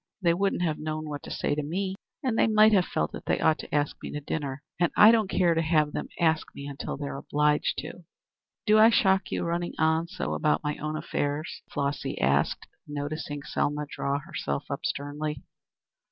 They wouldn't have known what to say to me, and they might have felt that they ought to ask me to dinner, and I don't care to have them ask me until they're obliged to. Do I shock you running on so about my own affairs?" Flossy asked, noticing Selma draw herself up sternly.